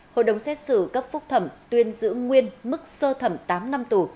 hội đồng xét xử cấp phúc thẩm tuyên giữ nguyên mức sơ thẩm tám năm tù